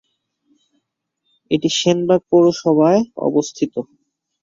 এটি সেনবাগ পৌরসভায় অবস্থিত।